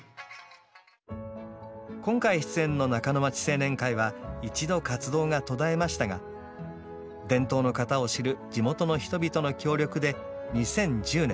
今回出演の「中の町青年会」は一度活動が途絶えましたが伝統の型を知る地元の人々の協力で２０１０年